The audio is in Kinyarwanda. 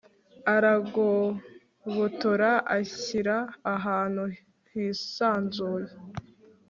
arangobotora, anshyira ahantu hisanzuye